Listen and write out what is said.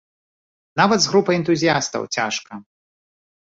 Нават з групай энтузіястаў цяжка!